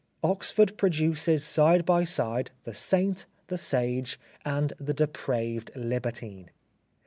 Oxford produces side by side the saint, the sage, and the depraved libertine.